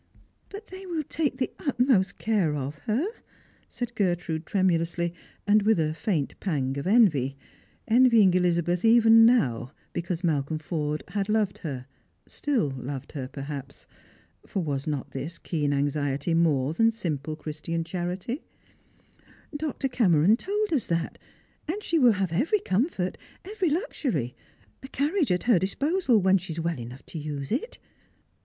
" But they wUl take the utmost care of her," said Gertrude tremulously, and with a faint pang of envy, envying Elizabeth even now because Malcolm Forde had loved her, still loved her. S/raii//ers and Pllg^'ims. 3Cj perhaps, for was not this keen anxiety more than simple Chris tian charity P " Dr. Cameron told lis that ; and she will have every comfort — every luxury — a carriage at her disposal when she is well enough to use it."